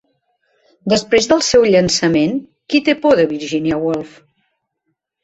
Després del seu llançament, Qui té por de Virginia Woolf?